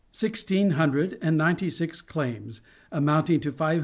Sixteen hundred and ninety six claims, amounting to $599,219.